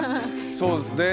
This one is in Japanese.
そうですね。